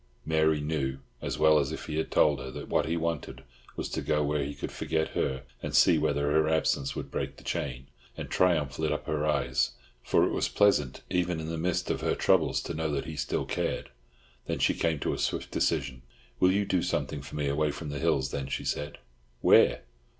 Mary knew, as well as if he had told her, that what he wanted was to go where he could forget her and see whether absence would break the chain; and triumph lit up her eyes, for it was pleasant even in the midst of her troubles to know that he still cared. Then she came to a swift decision. "Will you do something for me away from the hills, then?" she said. "Where?"